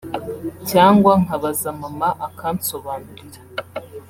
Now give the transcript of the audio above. cyangwa nkabaza mama akansobanurira